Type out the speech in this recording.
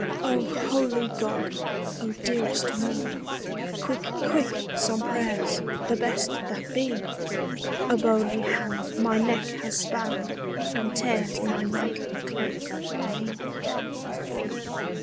"O holy God! O dearest Maud, Quick, quick, some prayers, the best that be! A bony hand my neck has spanned, And tears my knightly cloak from me!"